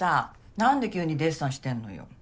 何で急にデッサンしてんのよ？